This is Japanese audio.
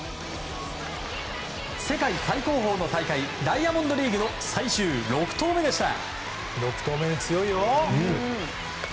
世界最高峰の大会ダイヤモンドリーグの最終６投目でした。